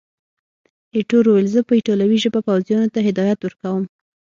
ایټور وویل، زه په ایټالوي ژبه پوځیانو ته هدایات ورکوم.